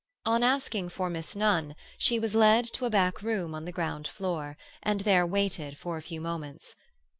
On asking for Miss Nunn, she was led to a back room on the ground floor, and there waited for a few moments.